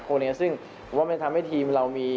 เข้ามาอีกหลายคนซึ่งว่ามันทำให้ทีมเรามี